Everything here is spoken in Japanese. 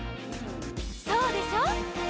「そうでしょ？」